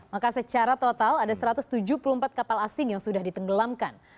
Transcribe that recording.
maka secara total ada satu ratus tujuh puluh empat kapal asing yang sudah ditenggelamkan